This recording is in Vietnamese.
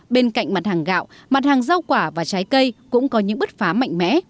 bên cạnh mặt hàng gạo mặt hàng rau quả và trái cây cũng có những bứt phá mạnh mẽ